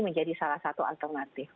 menjadi salah satu alternatif